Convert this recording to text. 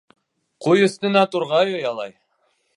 Ҡуй өҫтөнә турғай оялай.